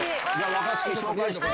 若槻紹介して。